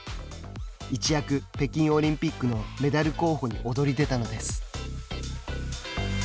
一躍、北京オリンピックのメダル候補に躍り出たのです。